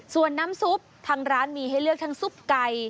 ส่วนน้ำซุปทางร้านมีให้เลือกทั้งซุปไก่